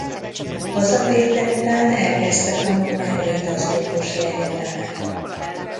Hazatérte után elkezdte tanulmányait az orvosi egyetemen.